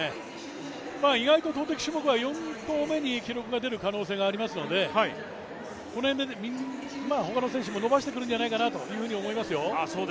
以外と投てき種目は４投目に記録が出る可能性がありますのでこの辺で他の選手も伸ばしてくるんじゃないかなと思いますよ。